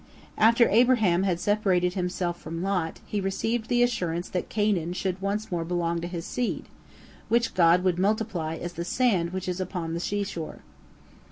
After Abraham had separated himself from Lot, he received the assurance again that Canaan should once belong to his seed, which God would multiply as the sand which is upon the sea shore.